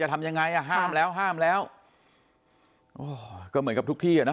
จะทำยังไงห้ามแล้วห้ามแล้วก็เหมือนกับทุกที่